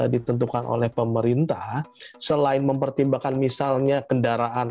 ditentukan oleh pemerintah selain mempertimbangkan misalnya kendaraan